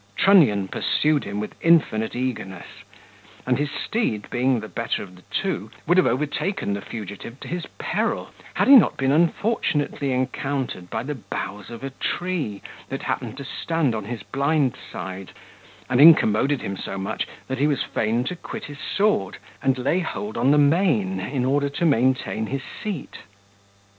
Trunnion pursued him with infinite eagerness; and his steed being the better of the two, would have overtaken the fugitive to his peril, had he not been unfortunately encountered by the boughs of a tree, that happened to stand on his blind side, and incommoded him so much, that he was fain to quit his sword, and lay hold on the mane in order to maintain his seat.